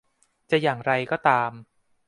จะอย่างไรก็ตาม